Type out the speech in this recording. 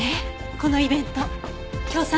このイベント協賛